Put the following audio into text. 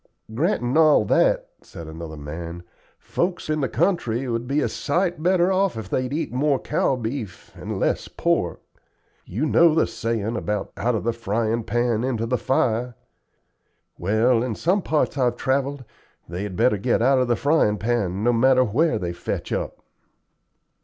"Grantin' all that," said another man, "folks in the country would be a sight better off if they'd eat more cow beef and less pork. You know the sayin' about 'out of the frying pan into the fire'? Well, in some parts I've travelled they had better get out of the fryin' pan, no matter where they fetch up."